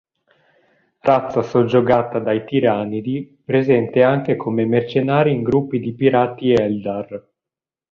Razza soggiogata dai Tiranidi, presente anche come mercenari in gruppi di pirati Eldar.